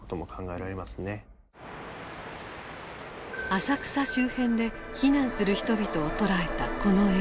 浅草周辺で避難する人々を捉えたこの映像。